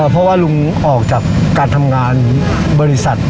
เพราะว่าลุงออกจากการทำงานบริษัท